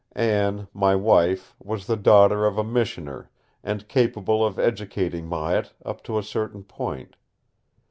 Anne, my wife, was the daughter of a missioner and capable of educating Marette up to a certain point.